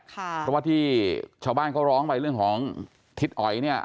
เพราะว่าที่ชาวบ้านเขาร้องไปเรื่องของทิศอ๋อยเนี่ย